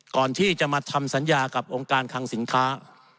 ก่อนที่จะมาทำสัญญากับองค์การคังสินค้า